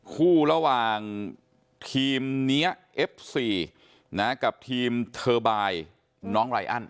คู่ระหว่างทีมนี้เอฟซีกับทีมเทอร์บายน้องไรอัน